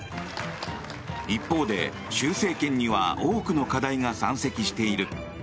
一方で、習政権には多くの課題が山積している。